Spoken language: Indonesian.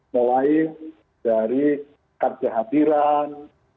mulai dari kerja hadiran